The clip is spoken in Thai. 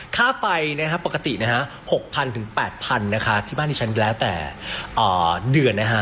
ค่าไฟปกติ๖๐๐๐๘๐๐๐บาทที่บ้านชั้นแล้วแต่เดือน